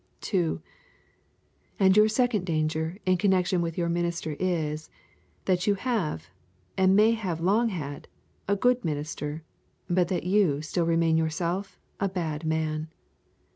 2. And your second danger in connection with your minister is, that you have, and may have long had, a good minister, but that you still remain yourself a bad man.